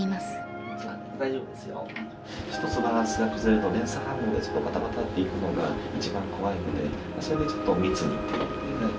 一つバランスが崩れると連鎖反応でバタバタッていくのが一番怖いのでそれでちょっと密に。